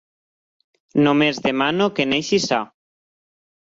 Només demano que neixi sa.